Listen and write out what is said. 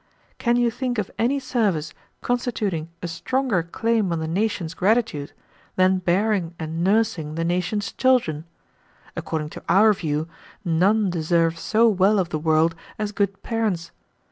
Can you think of any service constituting a stronger claim on the nation's gratitude than bearing and nursing the nation's children? According to our view, none deserve so well of the world as good parents.